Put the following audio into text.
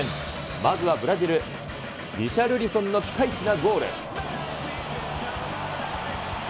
まずはブラジル、リシャルリソンのピカイチなゴール。